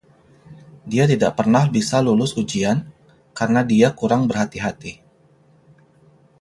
Dia tidak pernah bisa lulus ujian, karena dia kurang berhati-hati.